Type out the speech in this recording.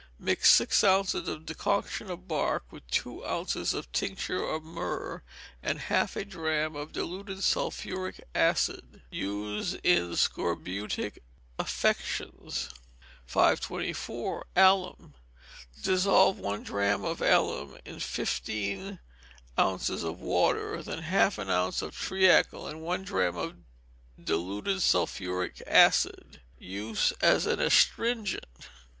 Mix six ounces of decoction of bark with two ounces of tincture of myrrh, and half a drachm of diluted sulphuric acid. Use in scorbutic affections. 524. Alum. Dissolve one drachm of alum in fifteen ounces of water, then add half an ounce of treacle, and one drachm of diluted sulphuric acid. Use as an astringent.